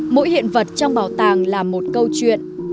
mỗi hiện vật trong bảo tàng là một câu chuyện